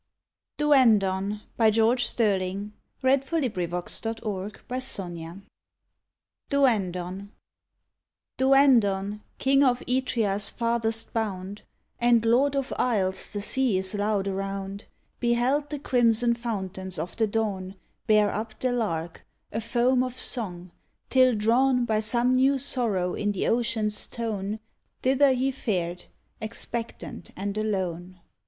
RD 1 29 THE ASHES IN THE SEA I32 THE FORTY THIRD CHAPTER OF JOB 135 DUANDON Duandon, king of Aetria's farthest bound And lord of isles the sea is loud around, Beheld the crimson fountains of the dawn Bear up the lark, a foam of song, till drawn By some new sorrow in the ocean's tone, Thither he fared, expectant and alone.